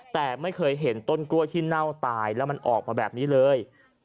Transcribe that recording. แต่ไม่เคยเห็นต้นกล้วยที่เน่าตายแล้วมันออกมาแบบนี้เลย